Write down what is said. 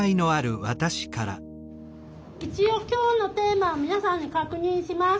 一応今日のテーマを皆さんに確認します。